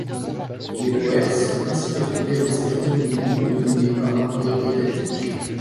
Les Boers sont ainsi intégrés dans sa vision du monde dominée par l'Empire britannique.